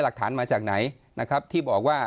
หลักฐานมาจากไหนนะครับที่บอกว่า